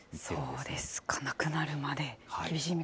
そうですか、亡くなるまで。